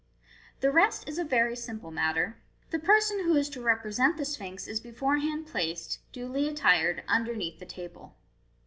The rest is a very simple matter. The person who is to repre sent the Sphinx is beforehand placed, duly attired, underneath the table.